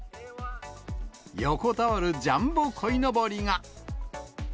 横たわるジャンボこいのぼりが。